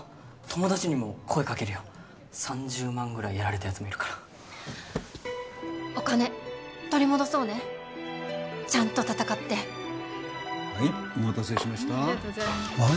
友達にも声かけるよ３０万ぐらいやられたやつもいるからお金取り戻そうねちゃんと戦ってはいお待たせしましたありがとうございます